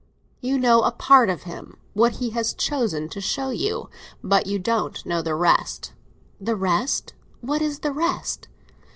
"You know a part of him—what he has chosen to show you. But you don't know the rest." "The rest? What is the rest?"